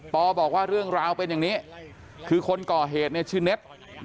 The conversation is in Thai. บอกว่าเรื่องราวเป็นอย่างนี้คือคนก่อเหตุเนี่ยชื่อเน็ต